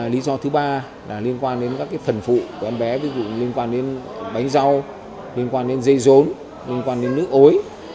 lý do thứ ba là liên quan đến các phần phụ của em bé ví dụ liên quan đến bánh rau liên quan đến dây rốn liên quan đến nước ối